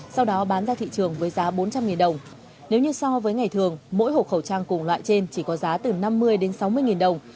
sau đó bán ra thị trường với giá bốn trăm linh đồng nếu như so với ngày thường mỗi hộp khẩu trang cùng loại trên chỉ có giá từ năm mươi đến sáu mươi nghìn đồng